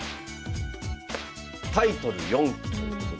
「タイトル４期」ということで。